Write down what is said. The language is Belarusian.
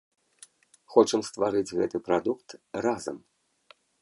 Хочам стварыць гэты прадукт разам.